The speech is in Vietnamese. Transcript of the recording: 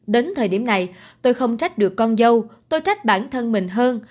đến thời điểm này tôi không trách được con dâu tôi trách bản thân mình hơn